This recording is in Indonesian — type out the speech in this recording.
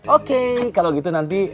oke kalau gitu nanti